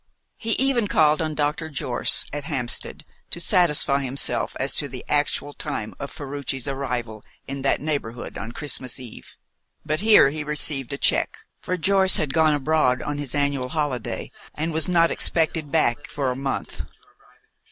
He even called on Dr. Jorce at Hampstead, to satisfy himself as to the actual time of Ferruci's arrival in that neighbourhood on Christmas Eve. But here he received a check, for Jorce had gone abroad on his annual holiday, and was not expected back for a month.